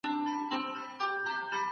راسه د ميني اوښكي